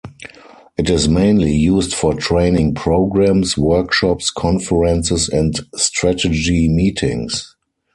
It is mainly used for training programmes, workshops, conferences and strategy meetings.